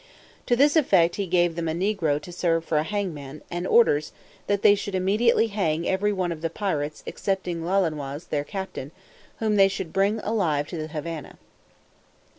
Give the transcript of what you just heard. To this effect he gave them a negro to serve for a hangman, and orders, "that they should immediately hang every one of the pirates, excepting Lolonois, their captain, whom they should bring alive to the Havannah."